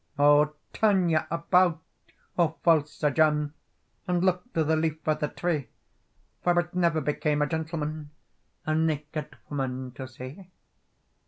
"O turn you about, O false Sir John, And look to the leaf of the tree, For it never became a gentleman A naked woman to see."